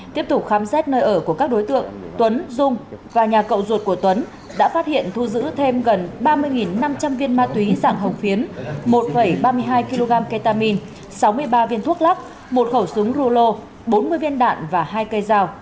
tiếp tục khám xét nơi ở của các đối tượng tuấn dung và nhà cậu ruột của tuấn đã phát hiện thu giữ thêm gần ba mươi năm trăm linh viên ma túy dạng hồng phiến một ba mươi hai kg ketamine sáu mươi ba viên thuốc lắc một khẩu súng rulo bốn mươi viên đạn và hai cây dao